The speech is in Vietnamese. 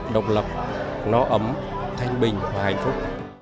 độc lập nó ấm thanh bình và hạnh phúc